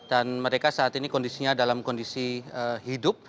dan mereka saat ini kondisinya dalam kondisi hidup